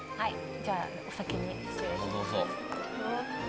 じゃあお先に失礼します。